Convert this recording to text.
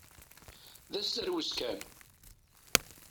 D asterwes kan!